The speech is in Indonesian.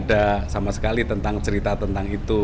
tidak sama sekali tentang cerita tentang itu